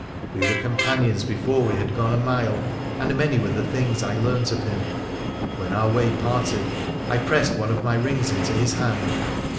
PRRA THE PHCENICIAN Iji were companions before we had gone a mile, and many were the things I learnt of him. When our way parted I pressed one of my rings into his hand.